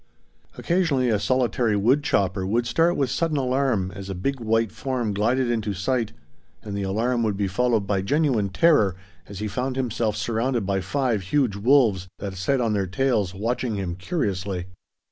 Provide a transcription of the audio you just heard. Occasionally a solitary wood chopper would start with sudden alarm as a big white form glided into sight, and the alarm would be followed by genuine terror as he found himself surrounded by five huge wolves that sat on their tails watching him curiously.